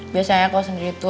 biasanya kalo sendiri tuh